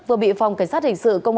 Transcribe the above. vừa bị phòng cảnh sát hình sự công an